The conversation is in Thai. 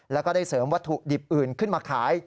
แล้วก็ได้เสริมวัตถุดิบอื่นขึ้นมาขาย